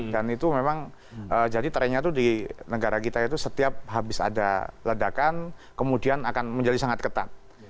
dan itu memang jadi trennya itu di negara kita itu setiap habis ada ledakan kemudian akan menjadi sangat ketat